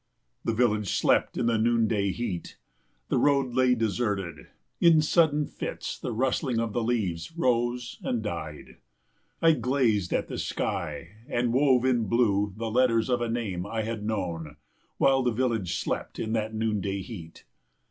The village slept in the noonday heat. The road lay deserted. In sudden fits the rustling of the leaves rose and died. I glazed at the sky and wove in the blue the letters of a name I had known, while the village slept in the noonday heat.